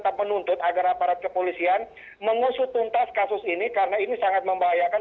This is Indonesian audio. tetap menuntut agar aparat kepolisian mengusut tuntas kasus ini karena ini sangat membahayakan